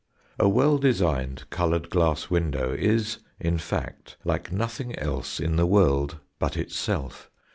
A well designed coloured glass window is, in fact, like nothing else in the world but itself.